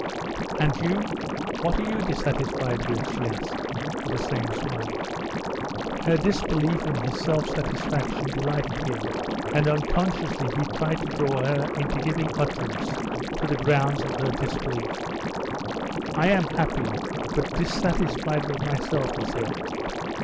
"And you? What are you dissatisfied with?" she asked, with the same smile. Her disbelief in his self dissatisfaction delighted him, and unconsciously he tried to draw her into giving utterance to the grounds of her disbelief. "I am happy, but dissatisfied with myself...." he said.